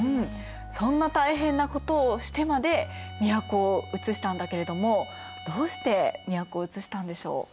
そんな大変なことをしてまで都をうつしたんだけれどもどうして都をうつしたんでしょう？